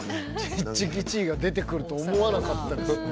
チッチキチーが出てくると思わなかったですね。